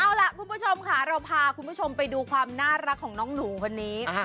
เอาล่ะคุณผู้ชมค่ะเราพาคุณผู้ชมไปดูความน่ารักของน้องหนูคนนี้